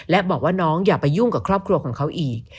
และบอกว่าน้องอย่าไปยุ่งกับครอบครัวของเขาอีก